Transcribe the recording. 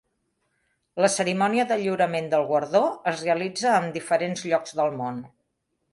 La cerimònia de lliurament del guardó es realitza en diferents llocs del món.